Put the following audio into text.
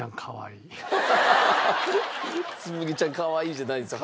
「紬ちゃんかわいい」じゃないんですよ。